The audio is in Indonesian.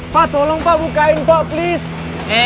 pak tolong pak bukain toh please